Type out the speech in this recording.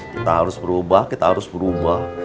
kita harus berubah kita harus berubah